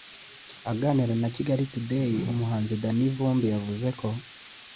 aganira na kigali today, umuhanzi danny vumbi yavuze ko